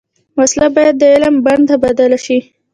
وسله باید د علم بڼ ته بدله شي